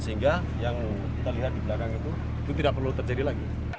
sehingga yang kita lihat di belakang itu itu tidak perlu terjadi lagi